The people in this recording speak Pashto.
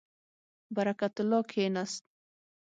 برکت الله کښېنست.